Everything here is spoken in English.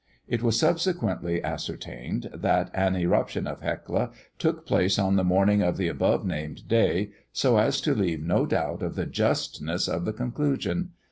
It was subsequently ascertained that an eruption of Hecla took place on the morning of the above named day, so as to leave no doubt of the justness of the conclusion.